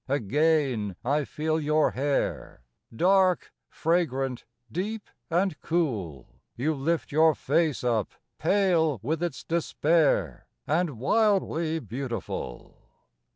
Again I feel your hair, Dark, fragrant, deep and cool: You lift your face up, pale with its despair, And wildly beautiful.